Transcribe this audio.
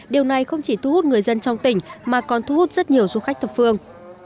điều này không chỉ thu hút người dân trong tỉnh mà còn thu hút rất nhiều du khách thập phương